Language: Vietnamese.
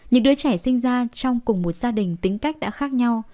những đứa trẻ sinh ra trong cùng một gia đình tính cách đã khác nhau